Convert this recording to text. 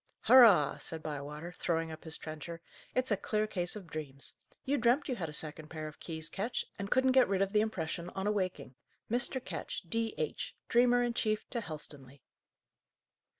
"Hurrah!" said Bywater, throwing up his trencher. "It's a clear case of dreams. You dreamt you had a second pair of keys, Ketch, and couldn't get rid of the impression on awaking. Mr. Ketch, D.H., Dreamer in chief to Helstonleigh!"